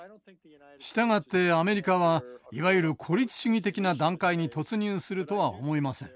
従ってアメリカはいわゆる孤立主義的な段階に突入するとは思いません。